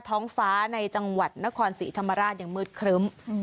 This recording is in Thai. ท้องฟ้าในจังหวัดนครศรีธรรมราชยังมืดครึ้ม